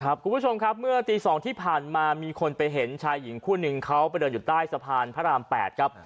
คุณผู้ชมครับเมื่อตี๒ที่ผ่านมามีคนไปเห็นชายหญิงคู่นึงเขาไปเดินอยู่ใต้สะพานพระราม๘ครับ